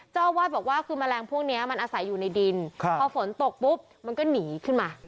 เจ้าอาวาสบอกว่าคือแมลงพวกนี้มันอาศัยอยู่ในดินพอฝนตกปุ๊บมันก็หนีขึ้นมา